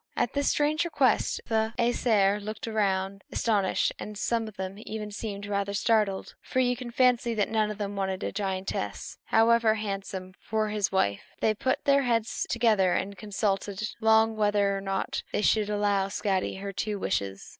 At this strange request the Æsir looked astonished, and some of them seemed rather startled; for you can fancy that none of them wanted a giantess, however handsome, for his wife. They put their heads together and consulted long whether or not they should allow Skadi her two wishes.